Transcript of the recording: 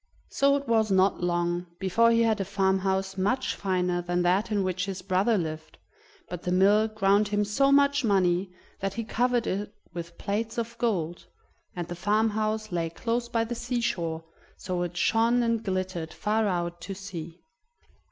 So it was not long before he had a farmhouse much finer than that in which his brother lived, but the mill ground him so much money that he covered it with plates of gold; and the farmhouse lay close by the sea shore, so it shone and glittered far out to sea.